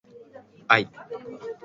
愛